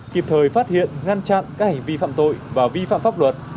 kịp thời phát hiện ngăn chặn các hành vi phạm tội và vi phạm pháp luật